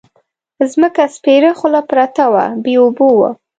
ځمکه سپېره خوله پرته وه بې اوبو وه.